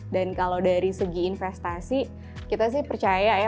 dan kalau dari segi investasi kita sih percaya ya